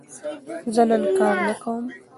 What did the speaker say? زه نن کار نه کوم.